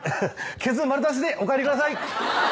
ケツ丸出しでお帰りください。